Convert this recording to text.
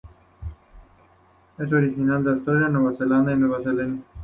Es originaria de Australia, Nueva Zelanda y Nueva Caledonia.